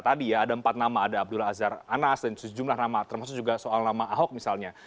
tadi ya ada empat nama ada abdullah azhar anas dan sejumlah nama termasuk juga soal nama ahok misalnya